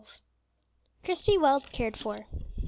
CHRISTIE WELL CARED FOR.